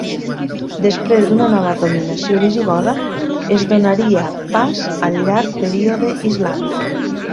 Després d'una nova dominació visigoda, es donaria pas al llarg període islàmic.